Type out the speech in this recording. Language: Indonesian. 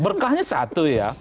berkahnya satu ya